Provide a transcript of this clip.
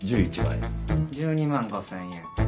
１２万５０００円。